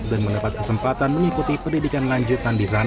dan mendapat kesempatan mengikuti pendidikan lanjutan di sana